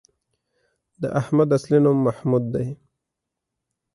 د احمد اصلی نوم محمود دی